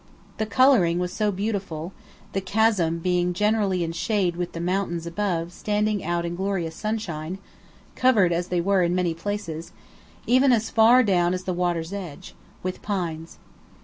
The colouring was so beautiful, the chasm being generally in shade with the mountains above standing out in glorious sunshine, covered as they were in many places, even as far down as the water's edge, with pines.